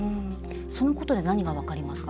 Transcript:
そのことで何が分かりますか？